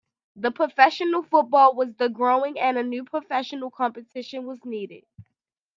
The professional football was growing and a new professional competition was needed.